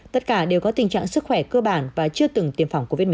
tất cả đều có tình trạng sức khỏe cơ bản và chưa từng tiêm phòng covid một mươi